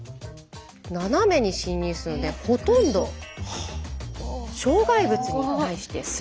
斜めに進入するのでほとんど障害物に対してスレスレ。